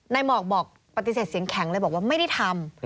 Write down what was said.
หมอกบอกปฏิเสธเสียงแข็งเลยบอกว่าไม่ได้ทำ